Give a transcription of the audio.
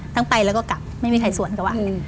ทั้งไปแล้วก็กลับไม่มีใครสวนกับวัน